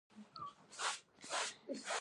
بي خونده ونې پاتي شوې، خلک يو بل خوا ور څخه